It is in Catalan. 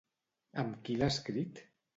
Amb qui l'ha escrit?